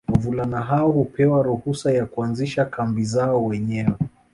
Wavulana hao hupewa ruhusa ya kuanzisha kambi zao wenyewe